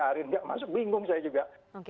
arin gak masuk bingung saya juga